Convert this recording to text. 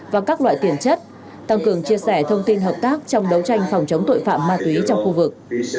và các loại tiền chất tăng cường chia sẻ thông tin hợp tác trong đấu tranh phòng chống tội phạm ma túy trong khu vực